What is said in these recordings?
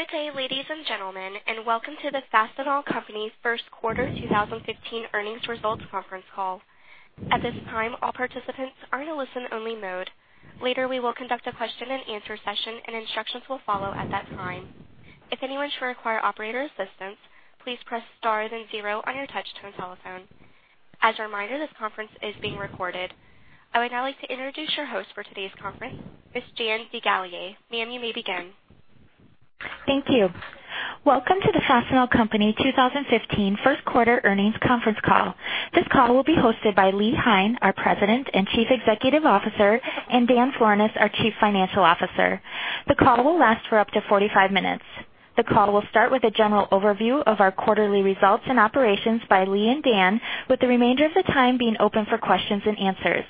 Good day, ladies and gentlemen, and welcome to the Fastenal Company first quarter 2015 earnings results conference call. At this time, all participants are in a listen-only mode. Later, we will conduct a question-and-answer session, and instructions will follow at that time. If anyone should require operator assistance, please press star then zero on your touch-tone telephone. As a reminder, this conference is being recorded. I would now like to introduce your host for today's conference, Ms. Jan DeGallier. Ma'am, you may begin. Thank you. Welcome to the Fastenal Company 2015 first quarter earnings conference call. This call will be hosted by Lee Hein, our President and Chief Executive Officer, and Dan Florness, our Chief Financial Officer. The call will last for up to 45 minutes. The call will start with a general overview of our quarterly results and operations by Lee and Dan, with the remainder of the time being open for questions and answers.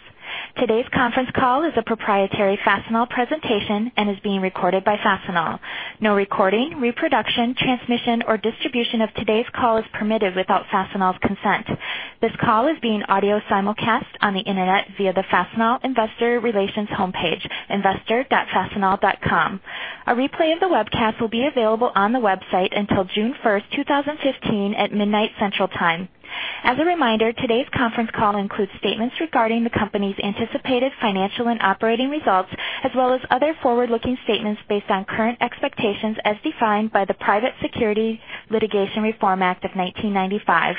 Today's conference call is a proprietary Fastenal presentation and is being recorded by Fastenal. No recording, reproduction, transmission, or distribution of today's call is permitted without Fastenal's consent. This call is being audio simulcast on the Internet via the Fastenal Investor Relations homepage, investor.fastenal.com. A replay of the webcast will be available on the website until June 1st, 2015, at midnight Central Time. As a reminder, today's conference call includes statements regarding the company's anticipated financial and operating results, as well as other forward-looking statements based on current expectations as defined by the Private Securities Litigation Reform Act of 1995.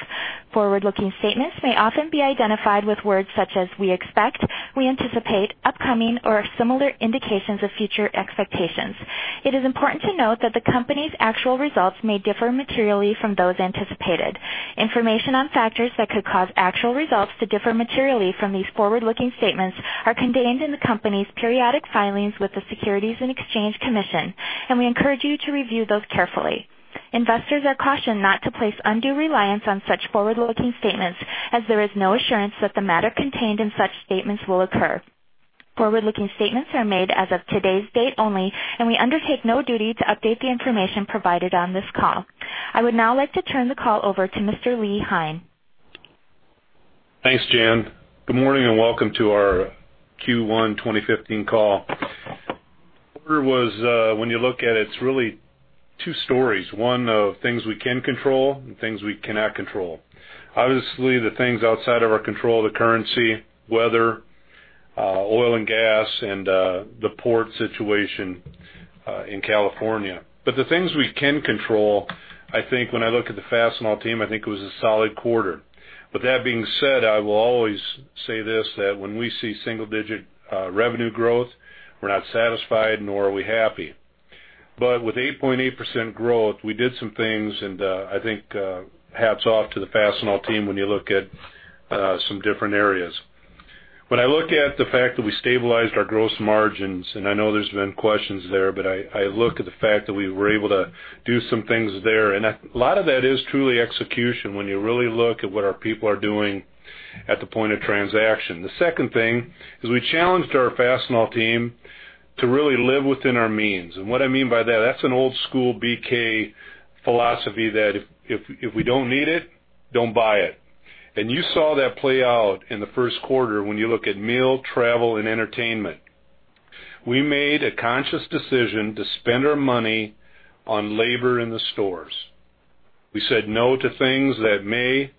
Forward-looking statements may often be identified with words such as "we expect," "we anticipate," "upcoming," or similar indications of future expectations. It is important to note that the company's actual results may differ materially from those anticipated. Information on factors that could cause actual results to differ materially from these forward-looking statements are contained in the company's periodic filings with the Securities and Exchange Commission, and we encourage you to review those carefully. Investors are cautioned not to place undue reliance on such forward-looking statements as there is no assurance that the matter contained in such statements will occur. Forward-looking statements are made as of today's date only, and we undertake no duty to update the information provided on this call. I would now like to turn the call over to Mr. Lee Hein. Thanks, Jan. Good morning and welcome to our Q1 2015 call. When you look at it's really two stories. One of things we can control and things we cannot control. Obviously, the things outside of our control are the currency, weather, oil and gas, and the port situation in California. The things we can control, I think when I look at the Fastenal team, I think it was a solid quarter. With that being said, I will always say this, that when we see single-digit revenue growth, we're not satisfied, nor are we happy. With 8.8% growth, we did some things, and I think hats off to the Fastenal team when you look at some different areas. When I look at the fact that we stabilized our gross margins, I know there's been questions there, but I look at the fact that we were able to do some things there. A lot of that is truly execution when you really look at what our people are doing at the point of transaction. The second thing is we challenged our Fastenal team to really live within our means. What I mean by that's an old school BK philosophy that if we don't need it, don't buy it. You saw that play out in the first quarter when you look at meal, travel, and entertainment. We made a conscious decision to spend our money on labor in the stores. We said no to things that may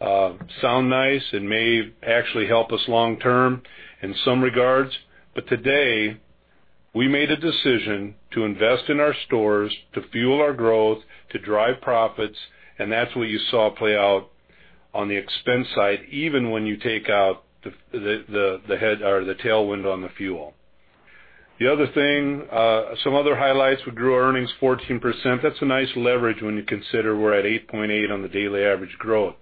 sound nice and may actually help us long term in some regards. Today, we made a decision to invest in our stores, to fuel our growth, to drive profits, and that's what you saw play out on the expense side, even when you take out the tailwind on the fuel. The other thing, some other highlights, we grew earnings 14%. That's a nice leverage when you consider we're at 8.8 on the daily average growth.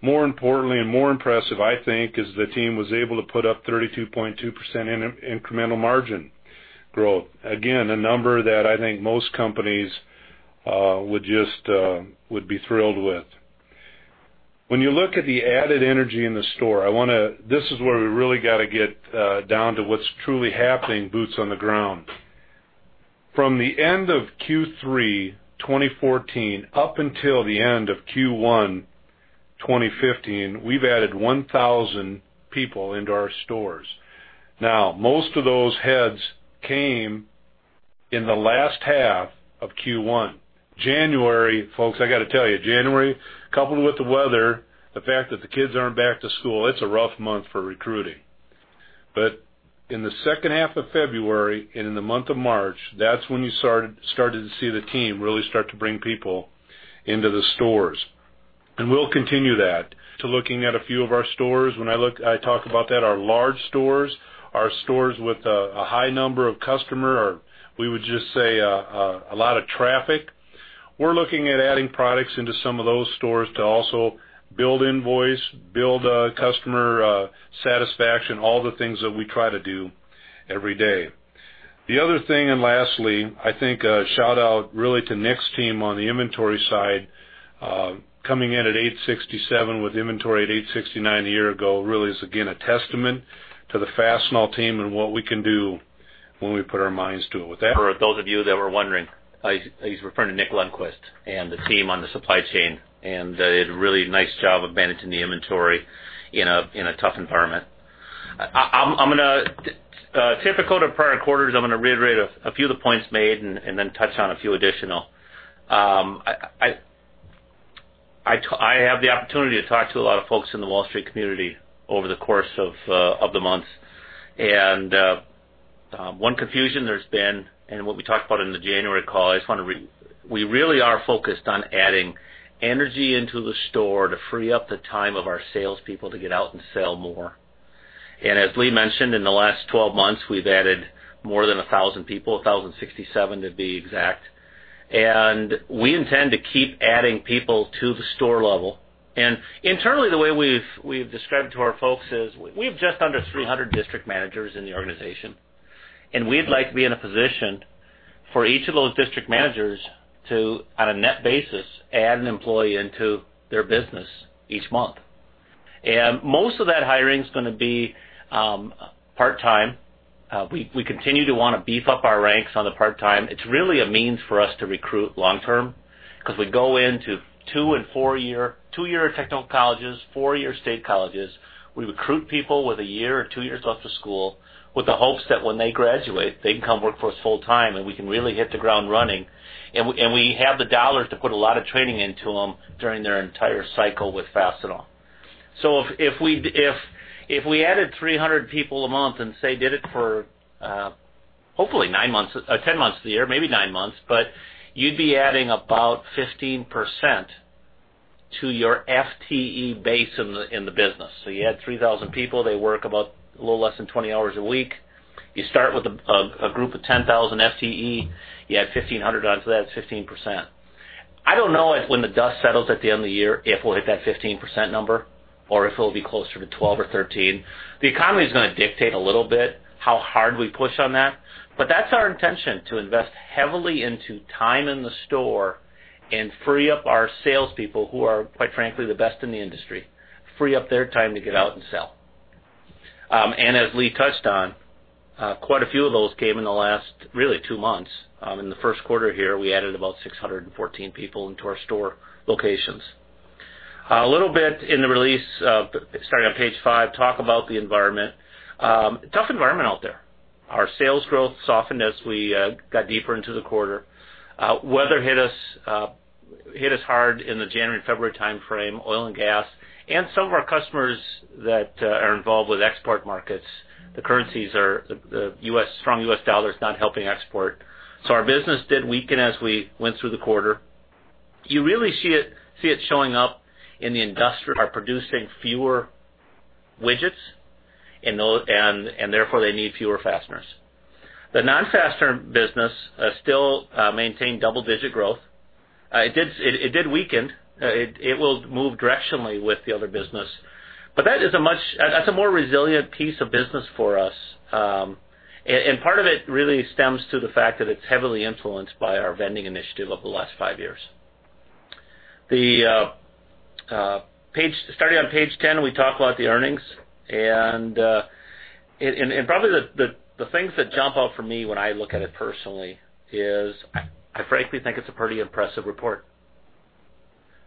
More importantly and more impressive, I think, is the team was able to put up 32.2% in incremental margin growth. Again, a number that I think most companies would be thrilled with. When you look at the added energy in the store, this is where we really got to get down to what's truly happening, boots on the ground. From the end of Q3 2014 up until the end of Q1 2015, we've added 1,000 people into our stores. Now, most of those heads came in the last half of Q1. January, folks, I got to tell you, January, coupled with the weather, the fact that the kids aren't back to school, it's a rough month for recruiting. In the second half of February and in the month of March, that's when you started to see the team really start to bring people into the stores. We'll continue that to looking at a few of our stores. When I talk about that, our large stores, our stores with a high number of customer, or we would just say a lot of traffic. We're looking at adding products into some of those stores to also build invoice, build customer satisfaction, all the things that we try to do every day. Lastly, I think a shout-out really to Nick's team on the inventory side, coming in at $867 with inventory at $869 a year ago really is again a testament to the Fastenal team and what we can do when we put our minds to it. With that- For those of you that were wondering, he's referring to Nick Lundquist and the team on the supply chain. They did a really nice job of managing the inventory in a tough environment. Typical to prior quarters, I'm going to reiterate a few of the points made and then touch on a few additional. I have the opportunity to talk to a lot of folks in the Wall Street community over the course of the months. One confusion there's been, and what we talked about in the January call, we really are focused on adding energy into the store to free up the time of our salespeople to get out and sell more. As Lee mentioned, in the last 12 months, we've added more than 1,000 people, 1,067 to be exact. We intend to keep adding people to the store level. Internally, the way we've described to our folks is we have just under 300 district managers in the organization. We'd like to be in a position for each of those district managers to, on a net basis, add an employee into their business each month. Most of that hiring is going to be part-time. We continue to want to beef up our ranks on the part-time. It's really a means for us to recruit long-term, because we go into two-year technical colleges, four-year state colleges. We recruit people with a year or two years left of school with the hopes that when they graduate, they can come work for us full time, and we can really hit the ground running. We have the dollars to put a lot of training into them during their entire cycle with Fastenal. If we added 300 people a month and, say, did it for hopefully 10 months of the year, maybe nine months, you'd be adding about 15% to your FTE base in the business. You add 3,000 people, they work about a little less than 20 hours a week. You start with a group of 10,000 FTE, you add 1,500 onto that, 15%. I don't know if when the dust settles at the end of the year if we'll hit that 15% number or if it'll be closer to 12 or 13. The economy's going to dictate a little bit how hard we push on that. That's our intention, to invest heavily into time in the store and free up our salespeople, who are, quite frankly, the best in the industry, free up their time to get out and sell. As Lee touched on, quite a few of those came in the last, really, two months. In the first quarter here, we added about 614 people into our store locations. A little bit in the release, starting on page five, talk about the environment. Tough environment out there. Our sales growth softened as we got deeper into the quarter. Weather hit us hard in the January-February timeframe, oil and gas, and some of our customers that are involved with export markets. The currencies are, the strong U.S. dollar is not helping export. Our business did weaken as we went through the quarter. You really see it showing up in the industrial, are producing fewer widgets and therefore they need fewer fasteners. The non-fastener business still maintained double-digit growth. It did weaken. It will move directionally with the other business. That's a more resilient piece of business for us. Part of it really stems to the fact that it's heavily influenced by our vending initiative of the last five years. Starting on page 10, we talk about the earnings, probably the things that jump out for me when I look at it personally is I frankly think it's a pretty impressive report.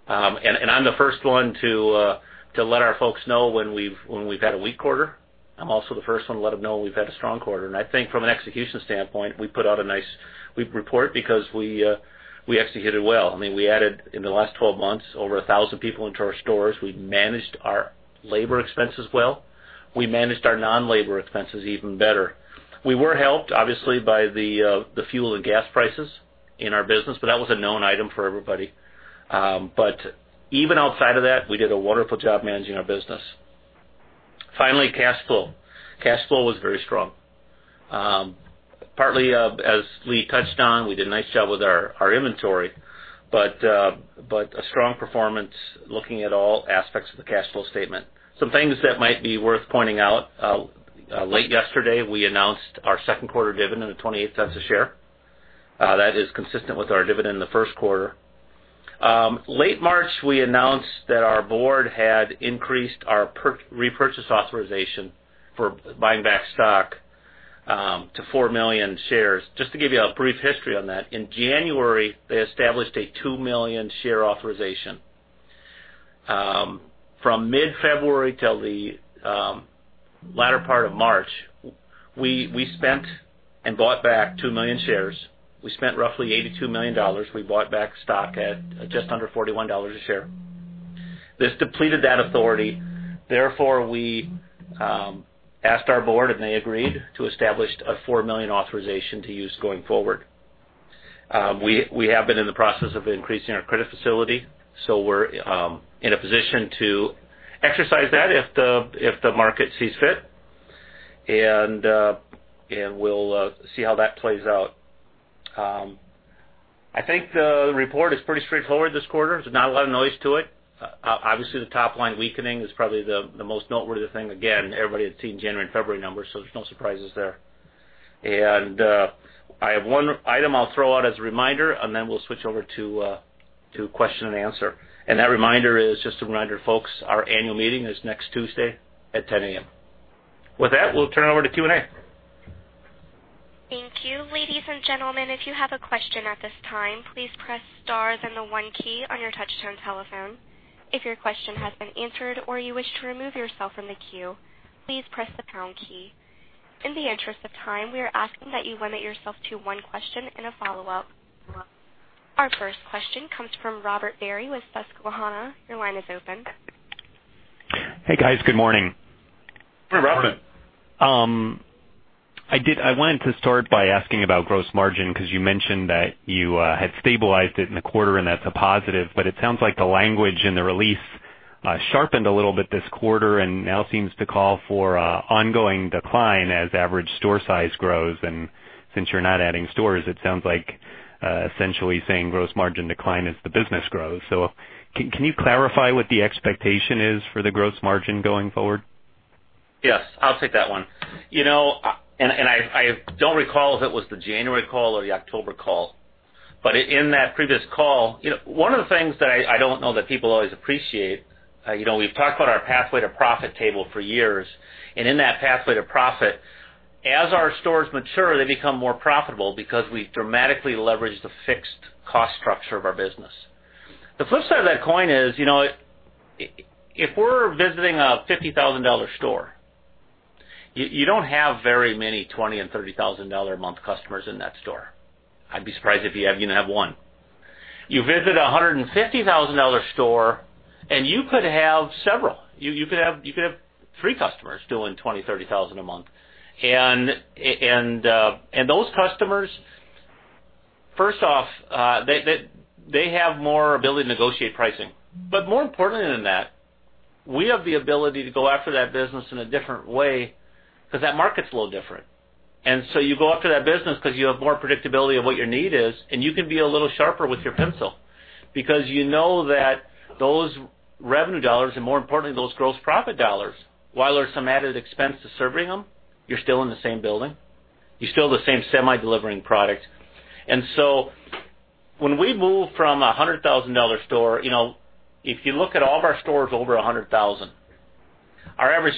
I'm the first one to let our folks know when we've had a weak quarter. I'm also the first one to let them know when we've had a strong quarter. I think from an execution standpoint, we put out a nice report because we executed well. We added, in the last 12 months, over 1,000 people into our stores. We managed our labor expenses well. We managed our non-labor expenses even better. We were helped, obviously, by the fuel and gas prices in our business, but that was a known item for everybody. Even outside of that, we did a wonderful job managing our business. Finally, cash flow. Cash flow was very strong. Partly, as Lee touched on, we did a nice job with our inventory, but a strong performance looking at all aspects of the cash flow statement. Some things that might be worth pointing out. Late yesterday, we announced our second quarter dividend of $0.28 a share. That is consistent with our dividend in the first quarter. Late March, we announced that our board had increased our repurchase authorization for buying back stock to 4 million shares. Just to give you a brief history on that, in January, they established a 2 million share authorization. From mid-February till the latter part of March, we spent and bought back 2 million shares. We spent roughly $82 million. We bought back stock at just under $41 a share. This depleted that authority. Therefore, we asked our board, and they agreed, to establish a 4 million authorization to use going forward. We have been in the process of increasing our credit facility, so we're in a position to exercise that if the market sees fit, and we'll see how that plays out. I think the report is pretty straightforward this quarter. There's not a lot of noise to it. Obviously, the top-line weakening is probably the most noteworthy thing. Again, everybody has seen January and February numbers, there's no surprises there. I have one item I'll throw out as a reminder. We'll switch over to question and answer. That reminder is just a reminder, folks, our annual meeting is next Tuesday at 10:00 A.M. With that, we'll turn it over to Q&A. Thank you. Ladies and gentlemen, if you have a question at this time, please press star then the one key on your touch-tone telephone. If your question has been answered or you wish to remove yourself from the queue, please press the pound key. In the interest of time, we are asking that you limit yourself to one question and a follow-up. Our first question comes from Robert Barry with Susquehanna. Your line is open. Hey, guys. Good morning. Hey, Robert. I wanted to start by asking about gross margin, because you mentioned that you had stabilized it in the quarter, and that's a positive, but it sounds like the language in the release sharpened a little bit this quarter and now seems to call for ongoing decline as average store size grows. Since you're not adding stores, it sounds like essentially saying gross margin decline as the business grows. Can you clarify what the expectation is for the gross margin going forward? Yes, I'll take that one. I don't recall if it was the January call or the October call, but in that previous call, one of the things that I don't know that people always appreciate, we've talked about our pathway to profit table for years. In that pathway to profit, as our stores mature, they become more profitable because we dramatically leverage the fixed cost structure of our business. The flip side of that coin is, if we're visiting a $50,000 store, you don't have very many $20,000 and $30,000 a month customers in that store. I'd be surprised if you even have one. You visit a $150,000 store, you could have several. You could have three customers doing $20,000, $30,000 a month. Those customers, first off, they have more ability to negotiate pricing. More importantly than that, we have the ability to go after that business in a different way, because that market's a little different. You go after that business because you have more predictability of what your need is, and you can be a little sharper with your pencil, because you know that those revenue dollars and more importantly, those gross profit dollars, while there's some added expense to serving them, you're still in the same building. You're still the same semi delivering product. When we move from a $100,000 store, if you look at all of our stores over 100,000, our average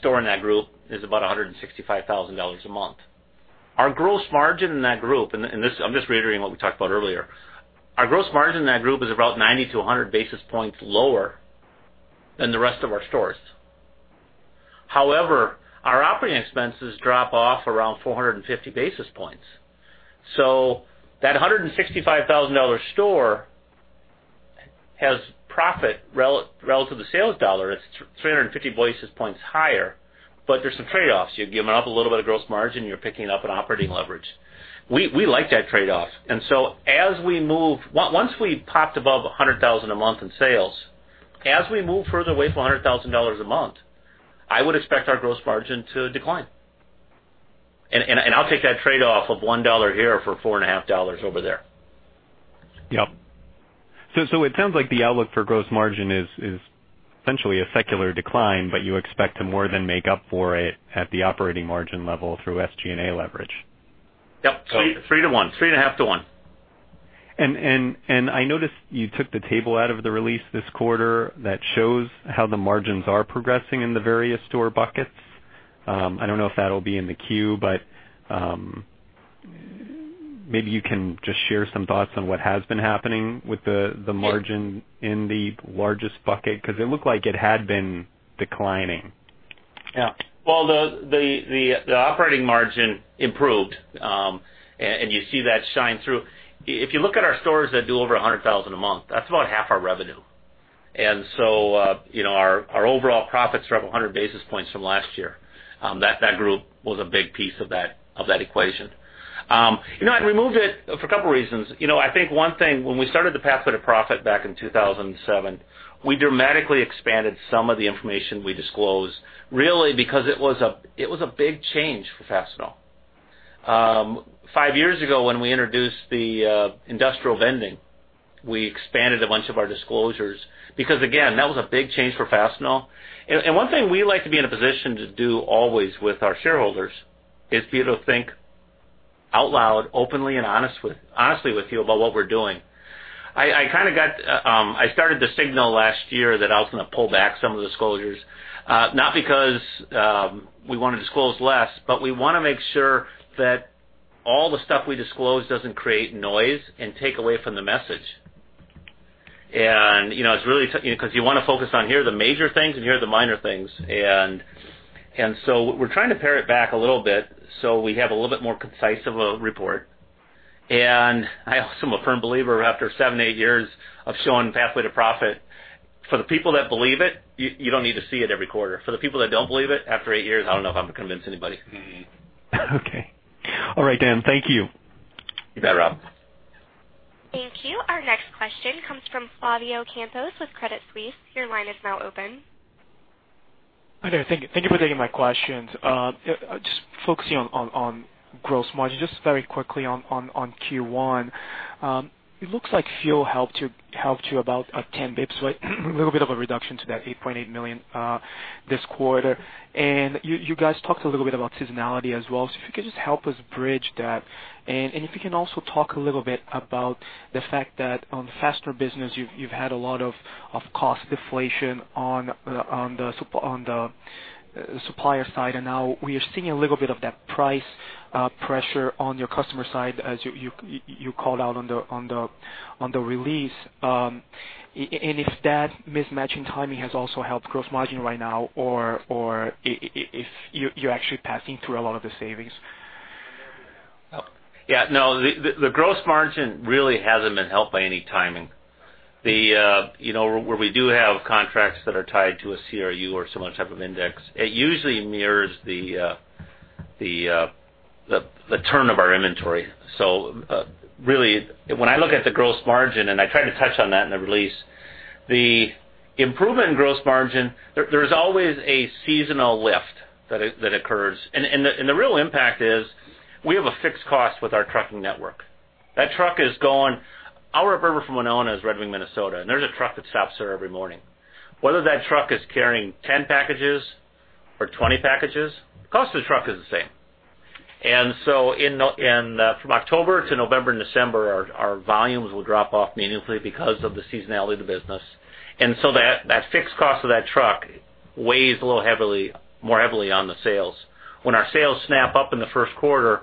store in that group is about $165,000 a month. Our gross margin in that group, I'm just reiterating what we talked about earlier. Our gross margin in that group is about 90-100 basis points lower than the rest of our stores. However, our operating expenses drop off around 450 basis points. That $165,000 store has profit relative to sales dollar. It's 350 basis points higher, there's some trade-offs. You're giving up a little bit of gross margin, you're picking up an operating leverage. We like that trade-off. Once we popped above 100,000 a month in sales, as we move further away from $100,000 a month, I would expect our gross margin to decline. I'll take that trade-off of $1 here for $4.50 over there. Yep. It sounds like the outlook for gross margin is essentially a secular decline, but you expect to more than make up for it at the operating margin level through SG&A leverage. Yep. Three and a half to one. I noticed you took the table out of the release this quarter that shows how the margins are progressing in the various store buckets. I don't know if that'll be in the Q, but maybe you can just share some thoughts on what has been happening with the margin in the largest bucket, because it looked like it had been declining. Well, the operating margin improved, and you see that shine through. If you look at our stores that do over 100,000 a month, that's about half our revenue. Our overall profits are up 100 basis points from last year. That group was a big piece of that equation. I removed it for a couple of reasons. I think one thing, when we started the pathway to profit back in 2007, we dramatically expanded some of the information we disclosed, really because it was a big change for Fastenal. Five years ago, when we introduced the industrial vending, we expanded a bunch of our disclosures because, again, that was a big change for Fastenal. One thing we like to be in a position to do always with our shareholders is be able to think out loud, openly, and honestly with you about what we're doing. I started the signal last year that I was going to pull back some of the disclosures, not because we want to disclose less, but we want to make sure that all the stuff we disclose doesn't create noise and take away from the message. You want to focus on, here are the major things and here are the minor things. We're trying to pare it back a little bit so we have a little bit more concise of a report. I also am a firm believer after seven, eight years of showing pathway to profit for the people that believe it, you don't need to see it every quarter. For the people that don't believe it, after eight years, I don't know if I'm going to convince anybody. Okay. All right, Dan. Thank you. You bet, Rob. Thank you. Our next question comes from Flavio Campos with Credit Suisse. Your line is now open. Hi there. Thank you for taking my questions. Just focusing on gross margin, just very quickly on Q1. It looks like fuel helped you about 10 basis points. A little bit of a reduction to that $8.8 million this quarter. You guys talked a little bit about seasonality as well. If you could just help us bridge that, and if you can also talk a little bit about the fact that on Fastener business, you've had a lot of cost deflation on the The supplier side, now we are seeing a little bit of that price pressure on your customer side as you called out on the release. If that mismatch in timing has also helped gross margin right now, or if you're actually passing through a lot of the savings? Yeah, no. The gross margin really hasn't been helped by any timing. Where we do have contracts that are tied to a CRU or some other type of index, it usually mirrors the turn of our inventory. Really, when I look at the gross margin, and I tried to touch on that in the release, the improvement in gross margin, there is always a seasonal lift that occurs. The real impact is we have a fixed cost with our trucking network. Our river from Winona is Red Wing, Minnesota, and there's a truck that stops there every morning. Whether that truck is carrying 10 packages or 20 packages, the cost of the truck is the same. From October to November and December, our volumes will drop off meaningfully because of the seasonality of the business. That fixed cost of that truck weighs a little more heavily on the sales. When our sales snap up in the first quarter,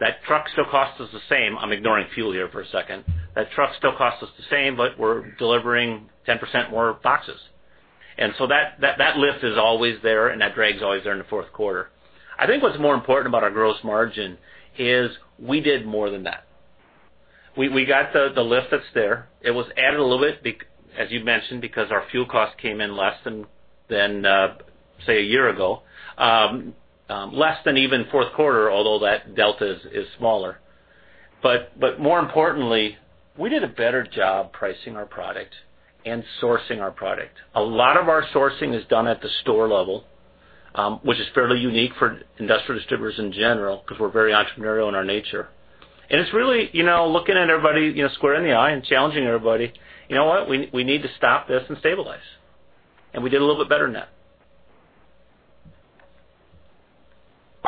that truck still costs us the same. I'm ignoring fuel here for a second. That truck still costs us the same, but we're delivering 10% more boxes. That lift is always there, and that drag's always there in the fourth quarter. I think what's more important about our gross margin is we did more than that. We got the lift that's there. It was added a little bit, as you mentioned, because our fuel cost came in less than, say, a year ago. Less than even fourth quarter, although that delta is smaller. More importantly, we did a better job pricing our product and sourcing our product. A lot of our sourcing is done at the store level, which is fairly unique for industrial distributors in general, because we're very entrepreneurial in our nature. It's really looking at everybody square in the eye and challenging everybody. You know what? We need to stop this and stabilize. We did a little bit better than that.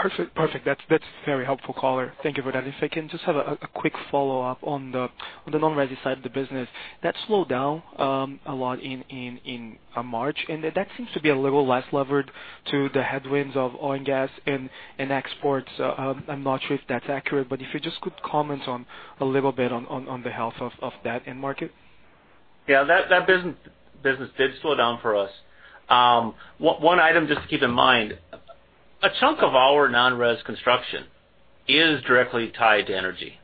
Perfect. That's very helpful, caller. Thank you for that. If I can just have a quick follow-up on the non-resi side of the business. That slowed down a lot in March, and that seems to be a little less levered to the headwinds of oil and gas and exports. I'm not sure if that's accurate, but if you just could comment a little bit on the health of that end market. Yeah, that business did slow down for us. One item just to keep in mind. A chunk of our non-res construction is directly tied to energy.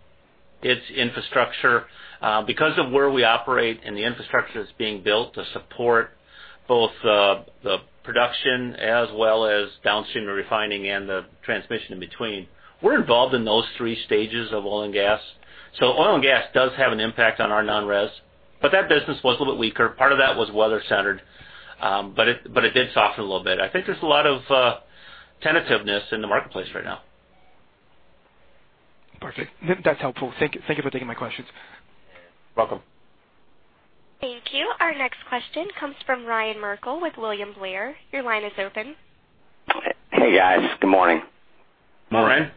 It's infrastructure. Because of where we operate and the infrastructure that's being built to support both the production as well as downstream refining and the transmission in between, we're involved in those 3 stages of oil and gas. Oil and gas does have an impact on our non-res, that business was a little bit weaker. Part of that was weather-centered, it did soften a little bit. I think there's a lot of tentativeness in the marketplace right now. Perfect. That's helpful. Thank you for taking my questions. You're welcome. Thank you. Our next question comes from Ryan Merkel with William Blair. Your line is open. Hey, guys. Good morning. Morning.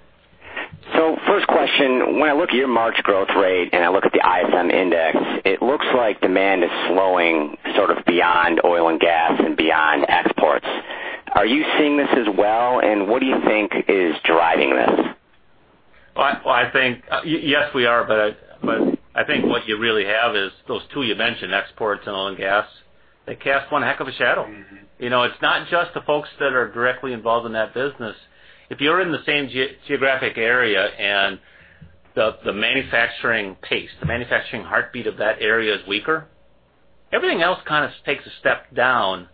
First question, when I look at your March growth rate and I look at the ISM index, it looks like demand is slowing sort of beyond oil and gas and beyond exports. Are you seeing this as well, and what do you think is driving this? Well, I think, yes, we are, I think what you really have is those two you mentioned, exports and oil and gas, they cast one heck of a shadow. It's not just the folks that are directly involved in that business. If you're in the same geographic area and the manufacturing pace, the manufacturing heartbeat of that area is weaker, everything else kind of takes a step down.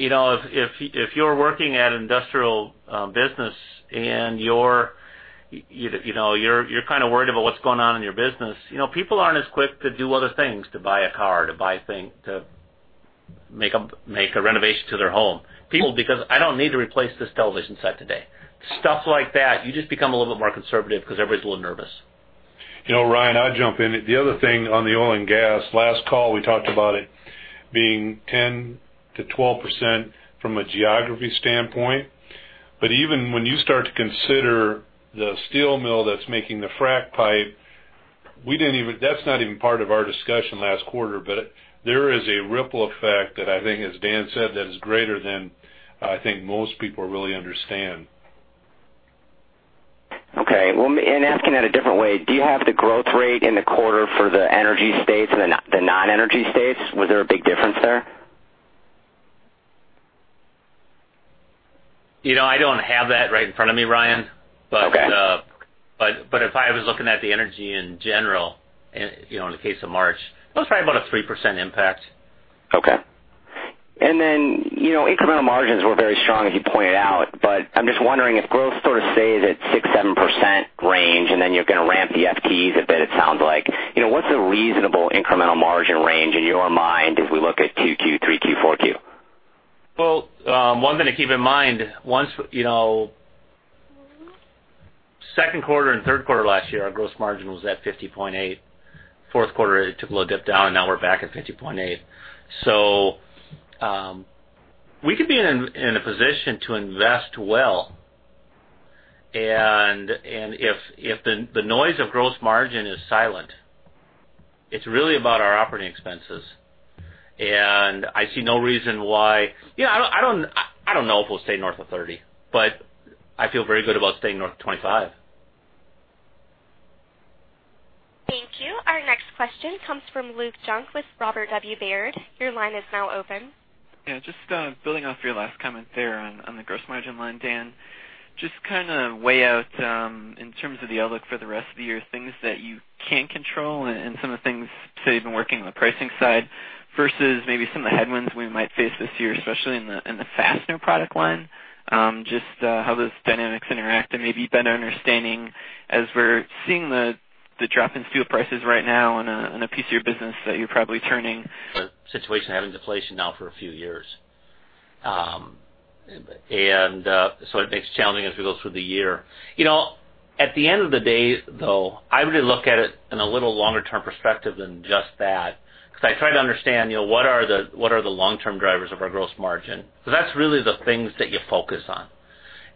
If you're working at an industrial business and you're kind of worried about what's going on in your business, people aren't as quick to do other things, to buy a car, to buy things, to make a renovation to their home. People, because I don't need to replace this television set today. Stuff like that, you just become a little bit more conservative because everybody's a little nervous. Ryan, I'll jump in. The other thing on the oil and gas, last call, we talked about it being 10%-12% from a geography standpoint. Even when you start to consider the steel mill that's making the frack pipe, that's not even part of our discussion last quarter, but there is a ripple effect that I think, as Dan said, that is greater than I think most people really understand. Okay. Well, asking it a different way, do you have the growth rate in the quarter for the energy states and the non-energy states? Was there a big difference there? I don't have that right in front of me, Ryan. Okay. If I was looking at the energy in general, in the case of March, it was probably about a 3% impact. Okay. Incremental margins were very strong, as you pointed out, but I'm just wondering if growth sort of stays at 6%-7% range and then you're going to ramp the FTEs a bit, it sounds like. What's a reasonable incremental margin range in your mind as we look at 2Q, 3Q, 4Q? Well, one thing to keep in mind, second quarter and third quarter last year, our gross margin was at 50.8. Fourth quarter, it took a little dip down, and now we're back at 50.8. We could be in a position to invest well if the noise of gross margin is silent, it's really about our operating expenses. I see no reason why I don't know if we'll stay north of 30, but I feel very good about staying north of 25. Thank you. Our next question comes from Luke Junk with Robert W. Baird. Your line is now open. Yeah, just building off your last comment there on the gross margin line, Dan. Kind of weigh out, in terms of the outlook for the rest of the year, things that you can control and some of the things, say, you've been working on the pricing side versus maybe some of the headwinds we might face this year, especially in the fastener product line, just how those dynamics interact and maybe better understanding as we're seeing the drop in steel prices right now on a piece of your business that you're probably turning. A situation having deflation now for a few years. It makes it challenging as we go through the year. At the end of the day, though, I really look at it in a little longer term perspective than just that. I try to understand what are the long-term drivers of our gross margin? That's really the things that you focus on.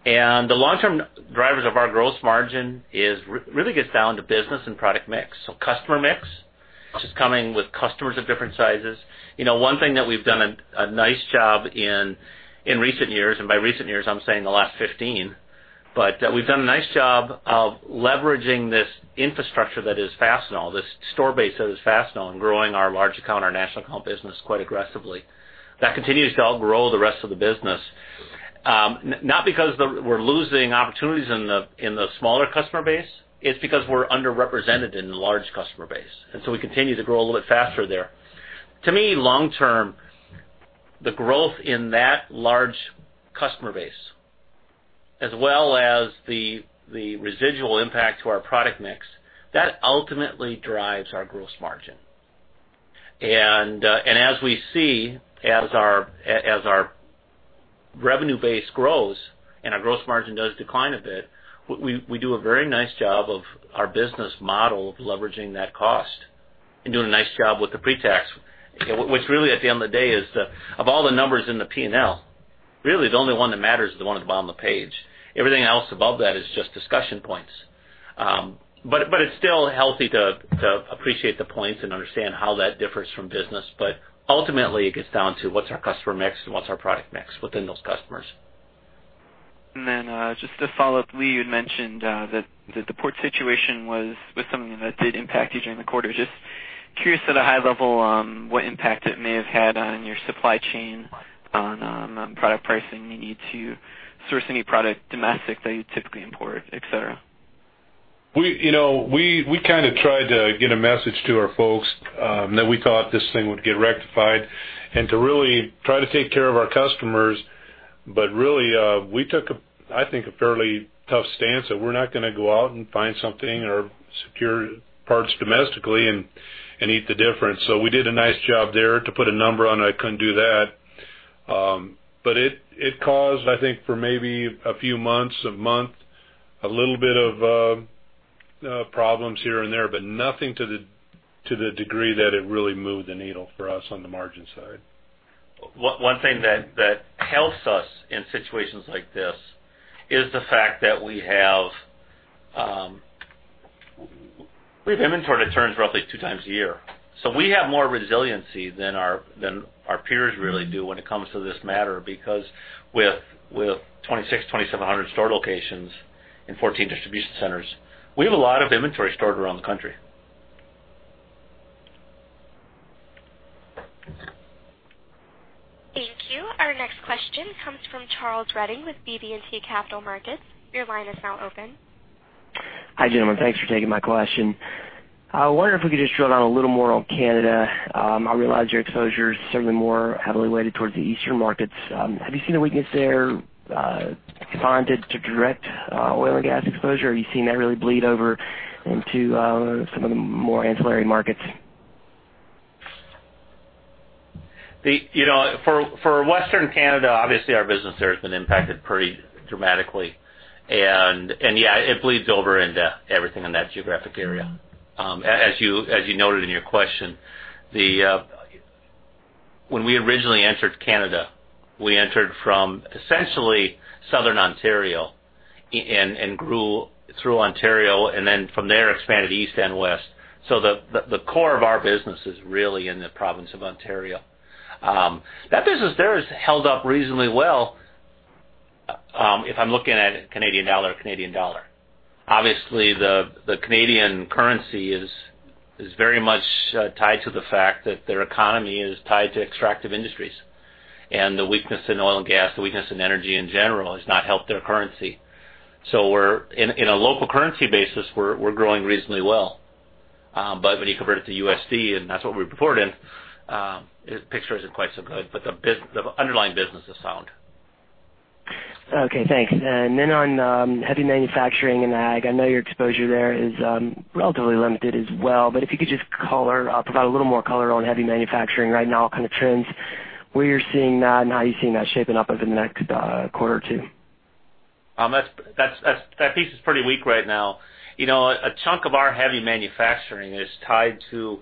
The long-term drivers of our gross margin really gets down to business and product mix. Customer mix, which is coming with customers of different sizes. One thing that we've done a nice job in recent years, and by recent years, I'm saying the last 15, but we've done a nice job of leveraging this infrastructure that is Fastenal, this store base that is Fastenal, and growing our large account, our national account business quite aggressively. That continues to outgrow the rest of the business. Not because we're losing opportunities in the smaller customer base. It's because we're underrepresented in the large customer base, we continue to grow a little bit faster there. To me, long term, the growth in that large customer base, as well as the residual impact to our product mix, that ultimately drives our gross margin. As we see, as our revenue base grows and our gross margin does decline a bit, we do a very nice job of our business model of leveraging that cost and doing a nice job with the pre-tax. Which really, at the end of the day, is of all the numbers in the P&L, really the only one that matters is the one at the bottom of the page. Everything else above that is just discussion points. It's still healthy to appreciate the points and understand how that differs from business. Ultimately, it gets down to what's our customer mix and what's our product mix within those customers. Just to follow up, Lee, you'd mentioned that the port situation was something that did impact you during the quarter. Just curious at a high level what impact it may have had on your supply chain, on product pricing, the need to source any product domestic that you typically import, et cetera. We kind of tried to get a message to our folks that we thought this thing would get rectified and to really try to take care of our customers. Really, we took, I think, a fairly tough stance that we're not going to go out and find something or secure parts domestically and eat the difference. We did a nice job there. To put a number on it, I couldn't do that. It caused, I think, for maybe a few months, a month, a little bit of problems here and there, but nothing to the degree that it really moved the needle for us on the margin side. One thing that helps us in situations like this is the fact that we have inventory that turns roughly two times a year. We have more resiliency than our peers really do when it comes to this matter because with 2,600, 2,700 store locations and 14 distribution centers, we have a lot of inventory stored around the country. Thank you. Our next question comes from Charles Redding with BB&T Capital Markets. Your line is now open. Hi, gentlemen. Thanks for taking my question. I wonder if we could just drill down a little more on Canada. I realize your exposure is certainly more heavily weighted towards the eastern markets. Have you seen the weakness there confined to direct oil and gas exposure? Have you seen that really bleed over into some of the more ancillary markets? For Western Canada, obviously our business there has been impacted pretty dramatically. Yeah, it bleeds over into everything in that geographic area. As you noted in your question, when we originally entered Canada, we entered from essentially southern Ontario and grew through Ontario, then from there expanded east and west. The core of our business is really in the province of Ontario. That business there has held up reasonably well, if I'm looking at Canadian dollar to Canadian dollar. Obviously, the Canadian currency is very much tied to the fact that their economy is tied to extractive industries. The weakness in oil and gas, the weakness in energy in general has not helped their currency. In a local currency basis, we're growing reasonably well. When you convert it to USD, and that's what we report in, the picture isn't quite so good. The underlying business is sound. Okay, thanks. On heavy manufacturing and ag, I know your exposure there is relatively limited as well, but if you could just provide a little more color on heavy manufacturing right now, kind of trends, where you're seeing that and how you're seeing that shaping up over the next quarter or two. That piece is pretty weak right now. A chunk of our heavy manufacturing is tied to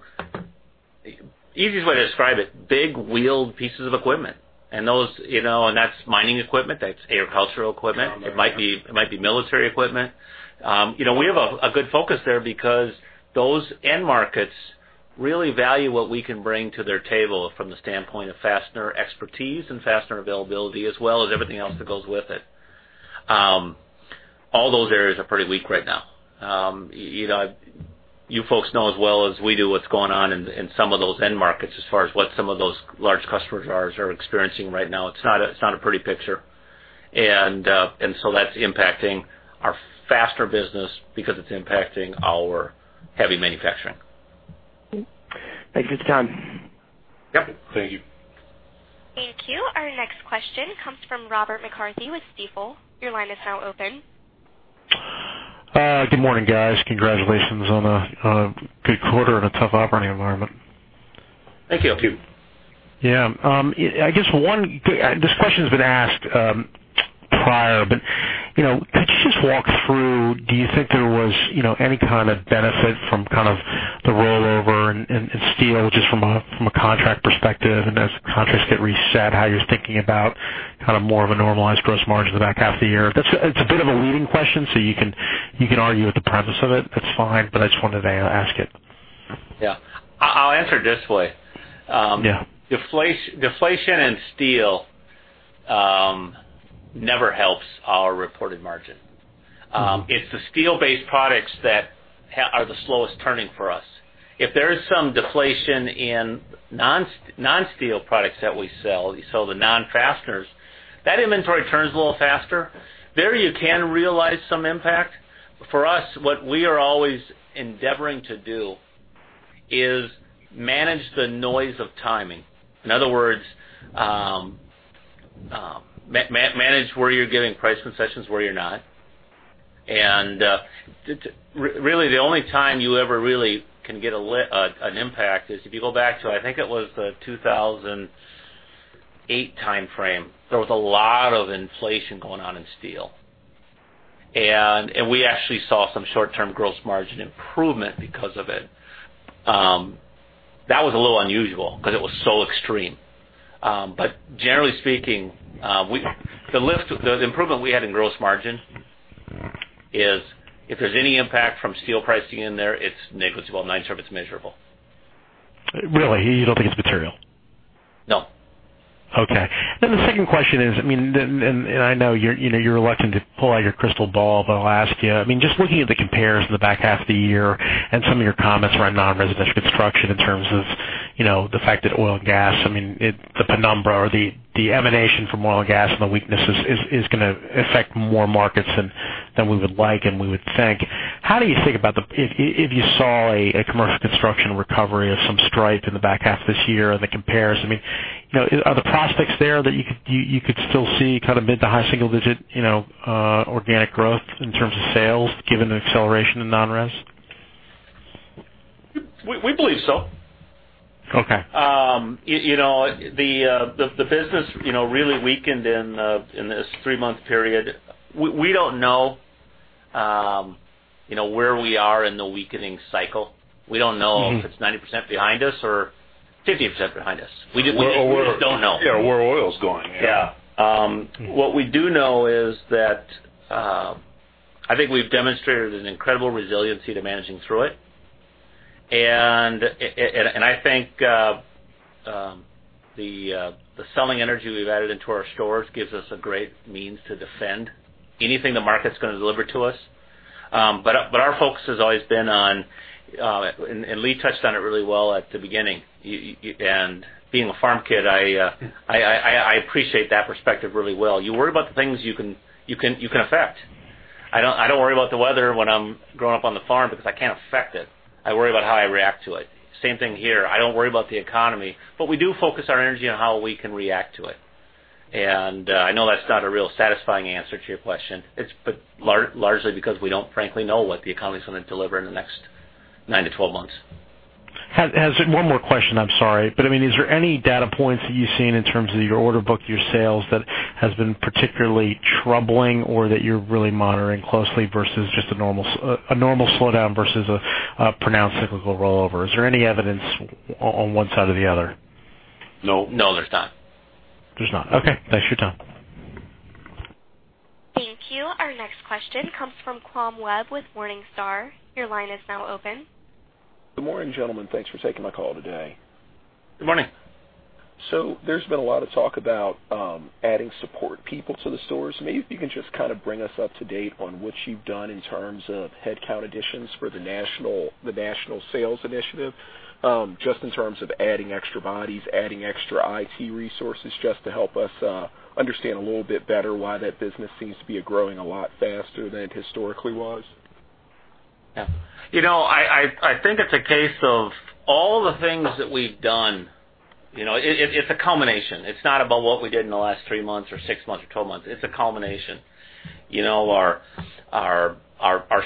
The easiest way to describe it, big wheeled pieces of equipment. That's mining equipment, that's agricultural equipment. It might be military equipment. We have a good focus there because those end markets really value what we can bring to their table from the standpoint of fastener expertise and fastener availability, as well as everything else that goes with it. All those areas are pretty weak right now. You folks know as well as we do what's going on in some of those end markets, as far as what some of those large customers are experiencing right now. It's not a pretty picture. That's impacting our fastener business because it's impacting our heavy manufacturing. Thank you, Dan. Yep. Thank you. Thank you. Our next question comes from Robert McCarthy with Stifel. Your line is now open. Good morning, guys. Congratulations on a good quarter and a tough operating environment. Thank you. Yeah. This question's been asked prior, but could you just walk through, do you think there was any kind of benefit from kind of the rollover in steel, just from a contract perspective and as contracts get reset, how you're thinking about kind of more of a normalized gross margin in the back half of the year? It's a bit of a leading question, so you can argue with the premise of it, that's fine. I just wanted to ask it. Yeah. I'll answer it this way. Yeah. Deflation in steel never helps our reported margin. It's the steel-based products that are the slowest turning for us. If there is some deflation in non-steel products that we sell, so the non-fasteners, that inventory turns a little faster. There, you can realize some impact. For us, what we are always endeavoring to do is manage the noise of timing. In other words, manage where you're giving price concessions and where you're not. Really, the only time you ever really can get an impact is if you go back to, I think it was the 2008 timeframe. There was a lot of inflation going on in steel. We actually saw some short-term gross margin improvement because of it. That was a little unusual because it was so extreme. Generally speaking, the improvement we had in gross margin is, if there's any impact from steel pricing in there, it's negligible. I'm not even sure if it's measurable. Really? You don't think it's material? No. The second question is, and I know you're reluctant to pull out your crystal ball, but I'll ask you. Just looking at the compares in the back half of the year and some of your comments around non-residential construction in terms of the fact that oil and gas, the penumbra or the emanation from oil and gas and the weakness is going to affect more markets than we would like and we would think. How do you think about if you saw a commercial construction recovery of some stripe in the back half of this year and the compares? Are the prospects there that you could still see mid to high single digit organic growth in terms of sales given the acceleration in non-res? We believe so. Okay. The business really weakened in this three-month period. We don't know where we are in the weakening cycle. We don't know if it's 90% behind us or 50% behind us. We just don't know. Yeah, where oil's going. Yeah. What we do know is that, I think we've demonstrated an incredible resiliency to managing through it. I think the selling energy we've added into our stores gives us a great means to defend anything the market's going to deliver to us. Our focus has always been on, and Lee touched on it really well at the beginning. Being a farm kid, I appreciate that perspective really well. You worry about the things you can affect. I don't worry about the weather when I'm growing up on the farm because I can't affect it. I worry about how I react to it. Same thing here. I don't worry about the economy, but we do focus our energy on how we can react to it. I know that's not a real satisfying answer to your question. It's largely because we don't frankly know what the economy's going to deliver in the next 9-12 months. One more question. I'm sorry. Is there any data points that you've seen in terms of your order book, your sales, that has been particularly troubling or that you're really monitoring closely versus just a normal slowdown versus a pronounced cyclical rollover? Is there any evidence on one side or the other? No. No, there's not. There's not. Okay. Thanks for your time. Thank you. Our next question comes from Kwame Webb with Morningstar. Your line is now open. Good morning, gentlemen. Thanks for taking my call today. Good morning. There's been a lot of talk about adding support people to the stores. Maybe if you can just kind of bring us up to date on what you've done in terms of headcount additions for the national sales initiative, just in terms of adding extra bodies, adding extra IT resources, just to help us understand a little bit better why that business seems to be growing a lot faster than it historically was. Yeah. I think it's a case of all the things that we've done. It's a combination. It's not about what we did in the last three months or six months or 12 months. It's a combination. Our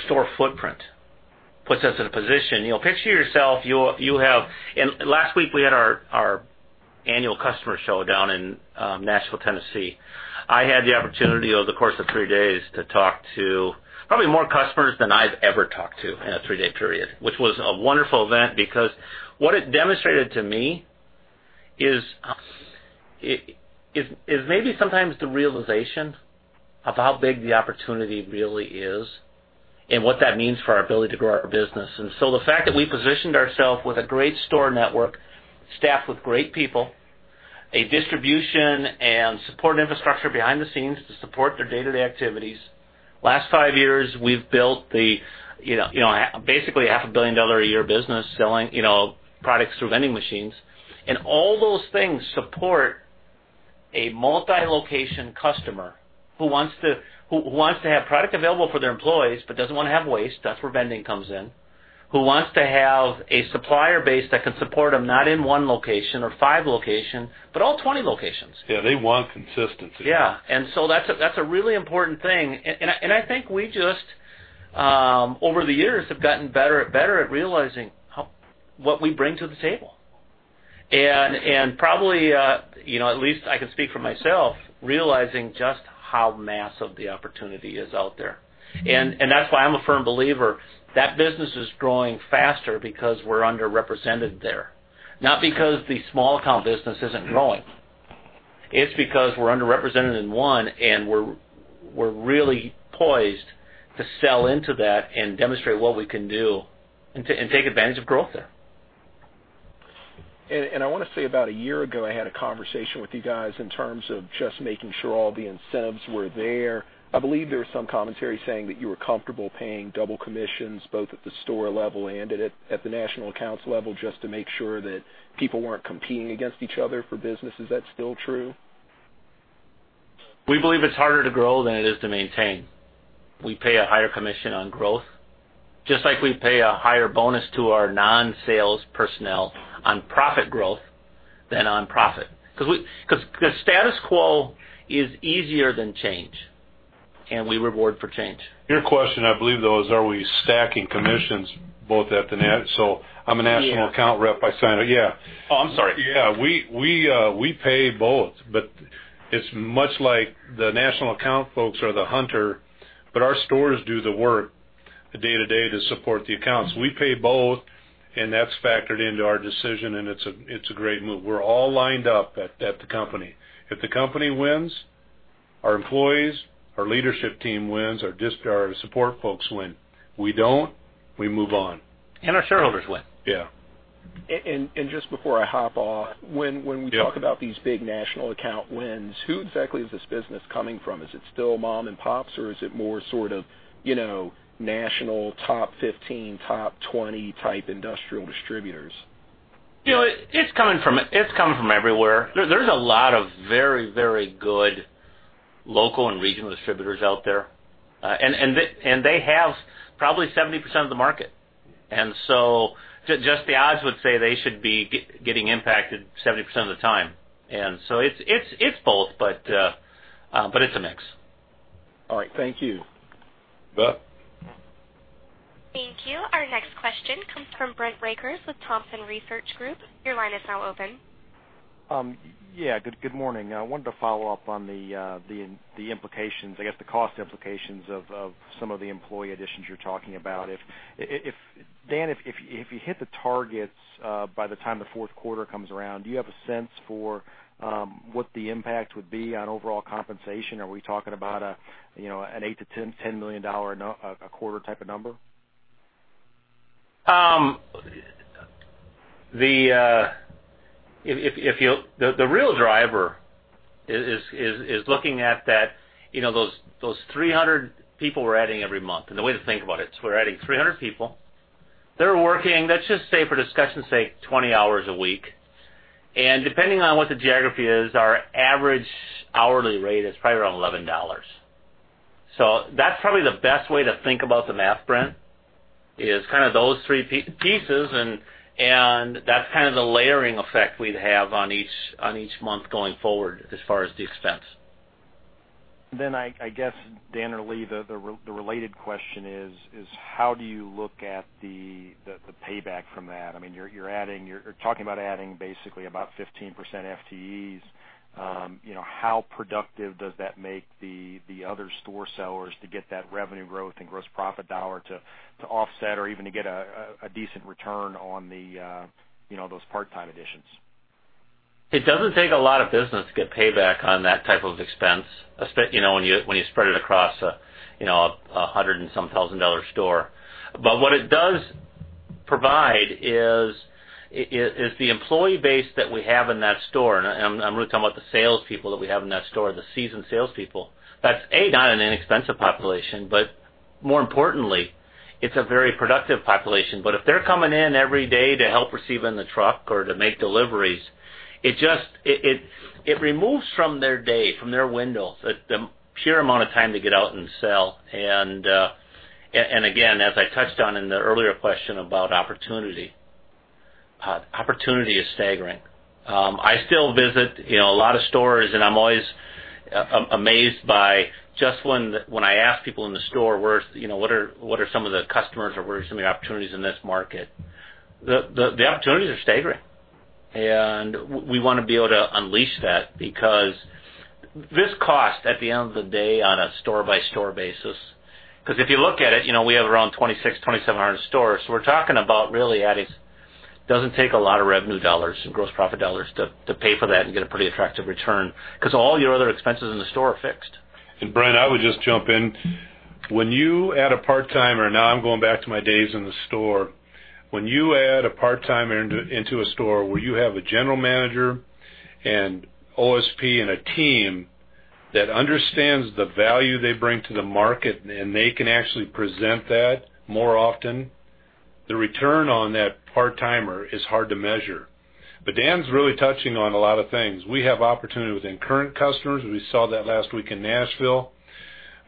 store footprint puts us in a position. Picture yourself, last week we had our Annual Customer Show down in Nashville, Tennessee. I had the opportunity, over the course of three days, to talk to probably more customers than I've ever talked to in a three-day period, which was a wonderful event because what it demonstrated to me is maybe sometimes the realization of how big the opportunity really is and what that means for our ability to grow our business. The fact that we positioned ourselves with a great store network, staffed with great people, a distribution and support infrastructure behind the scenes to support their day-to-day activities. Last five years, we've built basically a half a billion-dollar a year business selling products through vending machines. All those things support a multi-location customer who wants to have product available for their employees but doesn't want to have waste, that's where vending comes in, who wants to have a supplier base that can support them, not in one location or five locations, but all 20 locations. Yeah, they want consistency. Yeah. That's a really important thing. I think we just, over the years, have gotten better and better at realizing what we bring to the table. Probably, at least I can speak for myself, realizing just how massive the opportunity is out there. That's why I'm a firm believer that business is growing faster because we're underrepresented there. Not because the small account business isn't growing. It's because we're underrepresented in one, and we're really poised to sell into that and demonstrate what we can do and take advantage of growth there. I want to say, about one year ago, I had a conversation with you guys in terms of just making sure all the incentives were there. I believe there was some commentary saying that you were comfortable paying double commissions both at the store level and at the national accounts level just to make sure that people weren't competing against each other for business. Is that still true? We believe it's harder to grow than it is to maintain. We pay a higher commission on growth, just like we pay a higher bonus to our non-sales personnel on profit growth than on profit. The status quo is easier than change, we reward for change. Your question, I believe, though, is are we stacking commissions both at the. Yeah account rep by sign Yeah. Oh, I'm sorry. Yeah. We pay both, but it's much like the national account folks are the hunter, but our stores do the work day-to-day to support the accounts. We pay both, and that's factored into our decision, and it's a great move. We're all lined up at the company. If the company wins, our employees, our leadership team wins, our support folks win. We don't. We move on. Our shareholders win. Yeah. Just before I hop off, when we talk about these big national account wins, who exactly is this business coming from? Is it still mom and pops, or is it more sort of national top 15, top 20 type industrial distributors? It's coming from everywhere. There's a lot of very, very good local and regional distributors out there. They have probably 70% of the market. Just the odds would say they should be getting impacted 70% of the time. It's both, but it's a mix. All right. Thank you. Bud? Thank you. Our next question comes from Brent Rakers with Thompson Research Group. Your line is now open. Yeah. Good morning. I wanted to follow up on the implications, I guess, the cost implications of some of the employee additions you're talking about. Dan, if you hit the targets by the time the fourth quarter comes around, do you have a sense for what the impact would be on overall compensation? Are we talking about an $8 million-$10 million a quarter type of number? The real driver is looking at those 300 people we're adding every month, and the way to think about it. We're adding 300 people. They're working, let's just say for discussion sake, 20 hours a week. Depending on what the geography is, our average hourly rate is probably around $11. That's probably the best way to think about the math, Brent, is kind of those three pieces, and that's kind of the layering effect we'd have on each month going forward as far as the expense. I guess, Dan or Lee, the related question is how do you look at the payback from that? You're talking about adding basically about 15% FTEs. How productive does that make the other store sellers to get that revenue growth and gross profit dollar to offset or even to get a decent return on those part-time additions? It doesn't take a lot of business to get payback on that type of expense, when you spread it across a hundred and some thousand dollar store. What it does provide is the employee base that we have in that store, and I'm really talking about the salespeople that we have in that store, the seasoned salespeople. That's, A, not an inexpensive population, but more importantly, it's a very productive population. If they're coming in every day to help receive in the truck or to make deliveries, it removes from their day, from their window, the sheer amount of time to get out and sell. Again, as I touched on in the earlier question about opportunity is staggering. I still visit a lot of stores, I'm always amazed by just when I ask people in the store, what are some of the customers or what are some of the opportunities in this market? The opportunities are staggering. We want to be able to unleash that because this cost, at the end of the day, on a store-by-store basis, because if you look at it, we have around 2,600, 2,700 stores. We're talking about really adding Doesn't take a lot of revenue dollars and gross profit dollars to pay for that and get a pretty attractive return because all your other expenses in the store are fixed. Brent, I would just jump in. When you add a part-timer, now I'm going back to my days in the store. When you add a part-timer into a store where you have a general manager and Onsite and a team that understands the value they bring to the market, and they can actually present that more often, the return on that part-timer is hard to measure. Dan's really touching on a lot of things. We have opportunity within current customers. We saw that last week in Nashville.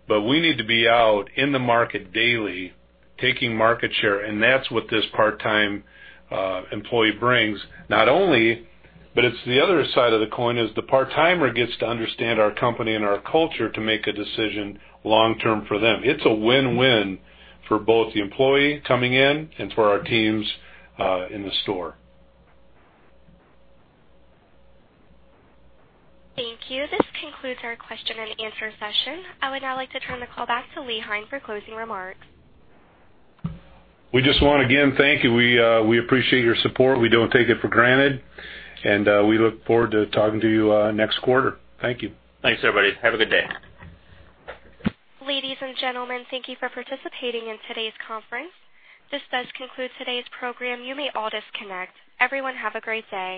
We need to be out in the market daily, taking market share, and that's what this part-time employee brings. Not only, but it's the other side of the coin, is the part-timer gets to understand our company and our culture to make a decision long-term for them. It's a win-win for both the employee coming in and for our teams in the store. Thank you. This concludes our question and answer session. I would now like to turn the call back to Leland Hein for closing remarks. We just want to again thank you. We appreciate your support. We don't take it for granted, and we look forward to talking to you next quarter. Thank you. Thanks, everybody. Have a good day. Ladies and gentlemen, thank you for participating in today's conference. This does conclude today's program. You may all disconnect. Everyone have a great day.